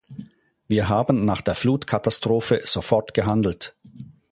Wir haben nach der Flutkatastrophe sofort gehandelt.